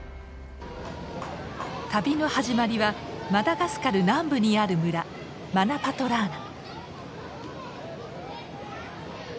旅の始まりはマダガスカル南部にある村マナパトラーナ。